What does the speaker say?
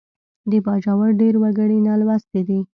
د باجوړ ډېر وګړي نالوستي دي